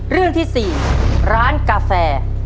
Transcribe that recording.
เรื่องที่๔ร้านกาแฟ